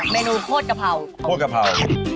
เมนูโคตรกระเภาโคตรกระเภา